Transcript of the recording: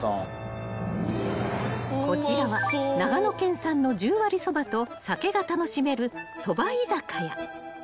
［こちらは長野県産の十割そばと酒が楽しめるそば居酒屋］